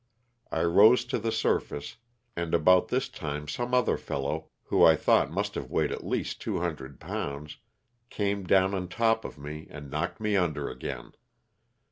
I rose to the surface and about this time some other fellow, who I thought must have weighed at least 200 pounds, came down on top of me and knocked me under again.